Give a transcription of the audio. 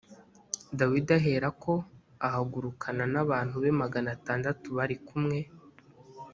dawidi aherako ahagurukana n’abantu be magana atandatu bari kumwe